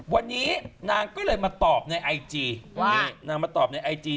วันนี้นางก็เลยมาตอบในไอจีว่านี่นางมาตอบในไอจี